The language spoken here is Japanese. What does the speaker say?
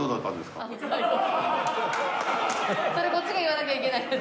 それこっちが言わなきゃいけないやつ。